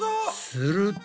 すると。